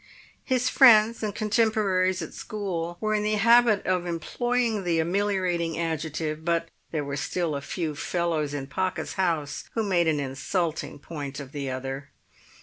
His friends and contemporaries at school were in the habit of employing the ameliorating adjective, but there were still a few fellows in Pocket's house who made an insulting point of the other.